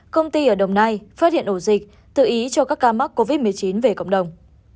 công ty ở đồng nai phát hiện ổ dịch tự ý cho các ca mắc covid một mươi chín về cộng đồng